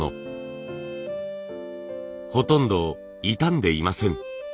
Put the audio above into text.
ほとんど傷んでいません。